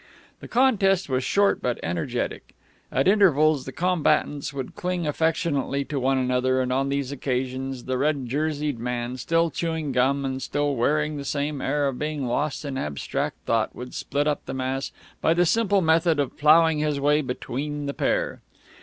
The contest was short but energetic. At intervals the combatants would cling affectionately to one another, and on these occasions the red jerseyed man, still chewing gum and still wearing the same air of being lost in abstract thought, would split up the mass by the simple method of ploughing his way between the pair.